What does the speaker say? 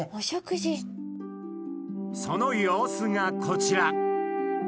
その様子がこちら！